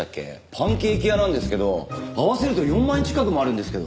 パンケーキ屋なんですけど合わせると４万円近くもあるんですけど。